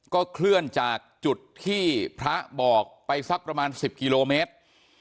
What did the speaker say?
ก็เคลื่อนจากจุดที่พระบอกไปสักประมาณ๑๐กิโลเมตร